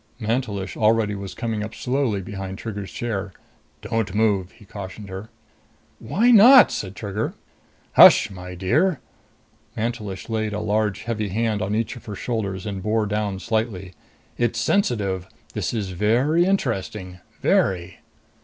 Mantelish already was coming up slowly behind Trigger's chair. "Don't move!" he cautioned her. "Why not?" said Trigger. "Hush, my dear." Mantelish laid a large, heavy hand on each of her shoulders and bore down slightly. "It's sensitive! This is very interesting. Very."